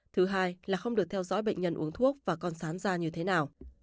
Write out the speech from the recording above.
thứ hai là không được theo dõi bệnh nhân uống thuốc và con sán da như thế nào